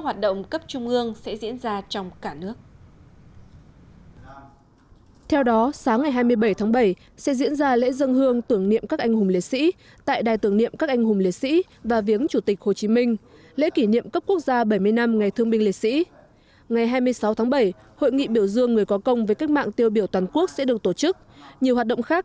hãy đăng ký kênh để nhận thông tin nhất